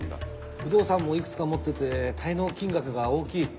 不動産もいくつか持ってて滞納金額が大きい。